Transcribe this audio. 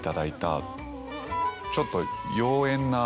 ちょっと。